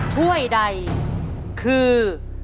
ถ้วยใดคือ